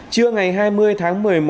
trưa ngày hai mươi tháng một mươi một